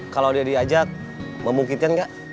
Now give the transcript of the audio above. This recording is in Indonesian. kalau dia diajak memungkinkan nggak